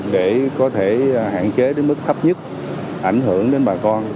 để có thể hạn chế đến mức thấp nhất ảnh hưởng đến bà con